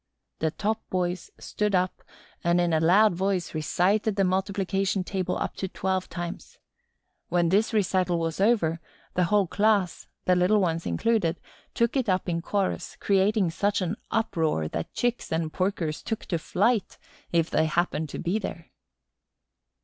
The top boys stood up and, in a loud voice, recited the multiplication table up to twelve times. When this recital was over, the whole class, the little ones included, took it up in chorus, creating such an uproar that Chicks and porkers took to flight if they happened to be there.